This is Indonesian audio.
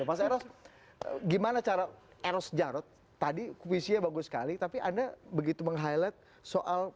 mas eros gimana cara eros jarod tadi puisinya bagus sekali tapi anda begitu meng highlight soal